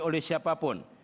oleh siapa pun